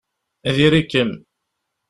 Diri-kem.